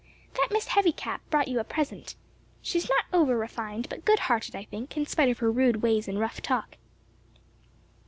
"That Miss Heavycap brought you a present. She's not over refined, but good hearted, I think, in spite of her rude ways and rough talk."